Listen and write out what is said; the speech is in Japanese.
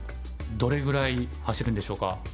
どれぐらい走るんでしょうか？